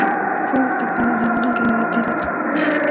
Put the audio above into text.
Fue un destacado orador y literato.